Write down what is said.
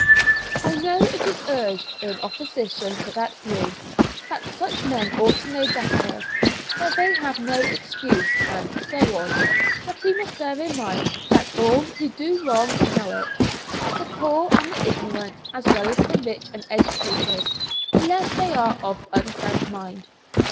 I know it is urged in opposition to that view, that such men ought to know better, that they have no excuse, and so on, but we must bear in mind that all who do wrong know it, the poor and the ignorant as well as the rich and educated, unless they are of unsound mind.